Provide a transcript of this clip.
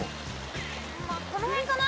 まあこのへんかな。